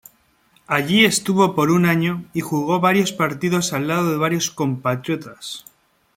Allí estuvo por un año y jugó varios partidos al lado de varios compatriotas.